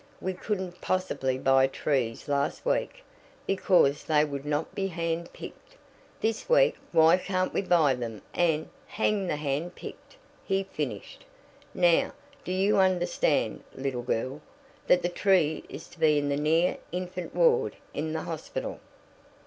We couldn't possibly buy trees last week, because they would not be hand picked. This week why can't we buy them and hang the handpicked," he finished. "Now, do you understand, little girl, that the tree is to be in the near infant ward in the hospital?"